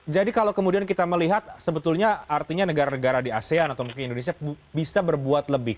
jadi kalau kemudian kita melihat sebetulnya artinya negara negara di asean atau mungkin indonesia bisa berbuat lebih